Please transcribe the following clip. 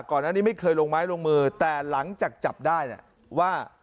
ก่อนอันนี้ไม่เคยลงไม้ลงมือแต่หลังจากจับได้เนี่ยว่า